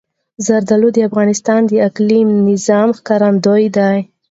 زردالو د افغانستان د اقلیمي نظام ښکارندوی ده.